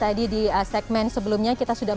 tadi di segmen sebelumnya kita sudah